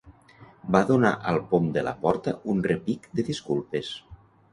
Va donar al pom de la porta un repic de disculpes.